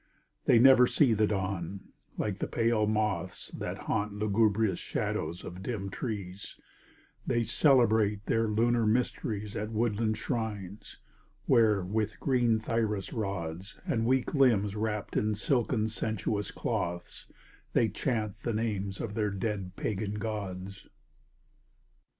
They never see the dawn; like the pale moths That haunt lugubrious shadows of dim trees They celebrate their lunar mysteries At woodland shrines, where with green thyrsus rods And weak limbs wrapped in silken sensuous cloths They chant the names of their dead pagan gods.